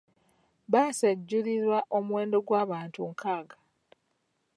Bbaasi ejjulira omuwendo gw'abantu nkaaga.